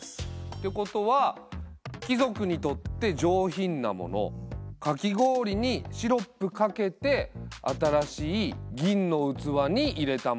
ってことは貴族にとって上品なものかき氷にシロップかけて新しい銀の器に入れたものってことだよね？